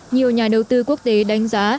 nhiều nhà đầu tư quốc tế đánh giá